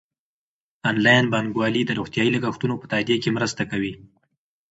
انلاین بانکوالي د روغتیايي لګښتونو په تادیه کې مرسته کوي.